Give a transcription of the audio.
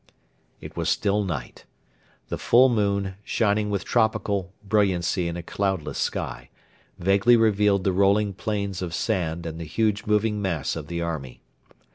It was still night. The full moon, shining with tropical brilliancy in a cloudless sky, vaguely revealed the rolling plains of sand and the huge moving mass of the army.